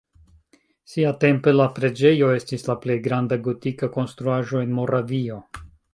Siatempe la preĝejo estis la plej granda gotika konstruaĵo en Moravio.